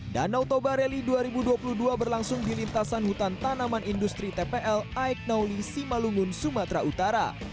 danau toba rally dua ribu dua puluh dua berlangsung di lintasan hutan tanaman industri tpl aiknauli simalungun sumatera utara